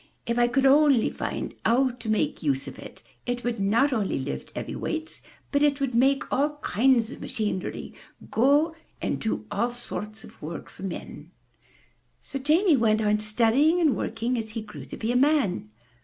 *'If I could only find out how to make use of it, it would not only lift heavy weights, but it would make all kinds of machinery go, and do all sorts of work for men/' So Jamie went on studying and working as he grew to be a man.